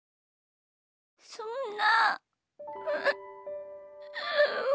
そんな。